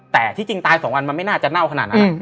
แต่ที่จริงตาย๒วันมันไม่น่าจะเน่าขนาดนั้น